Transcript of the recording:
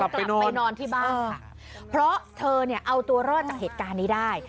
กลับไปนอนที่บ้านเพราะเธอเนี่ยเอาตัวรอดจากเหตุการณ์นี้ได้